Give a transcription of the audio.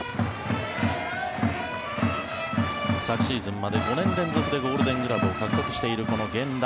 昨シーズンまで５年連続でゴールデングラブを獲得しているこの源田。